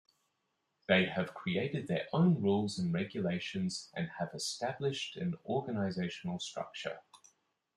They have created their own rules and regulations and have established an organizational structure.